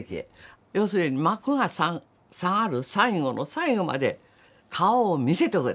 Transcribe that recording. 要するに「幕が下がる最後の最後まで顔を見せておけ！」